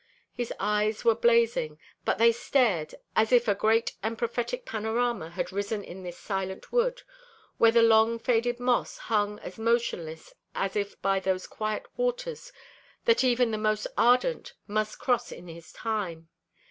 His eyes were blazing, but they stared as if a great and prophetic panorama had risen in this silent wood, where the long faded moss hung as motionless as if by those quiet waters that even the most ardent must cross in his time.